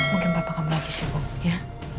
mungkin bapak kamu lagi sibuk ya